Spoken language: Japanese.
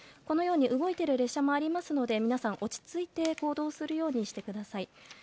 このように動いている列車もありますので皆さん、落ち着いて行動するようにしてください。